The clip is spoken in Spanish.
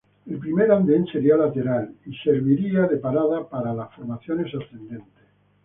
El primer anden sería lateral y serviría de parada para las formaciones ascendentes.